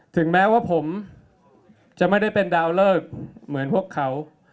ถึงแม้ว่าผมจะไม่ได้เป็นดาวเลิกเหมือนพวกเขา